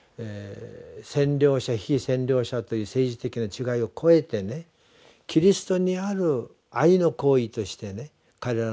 占領者被占領者という政治的な違いを超えてねキリストにある愛の行為としてね彼らの善意が寄せられている。